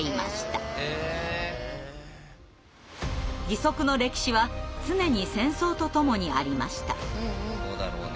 義足の歴史は常に戦争とともにありました。